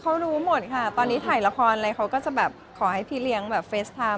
เขารู้หมดค่ะตอนนี้ถ่ายละครอะไรเขาก็จะแบบขอให้พี่เลี้ยงแบบเฟสไทม